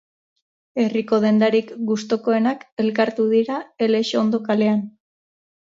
Herriko dendarik gustukoenak elkartu dira Elexondo kalean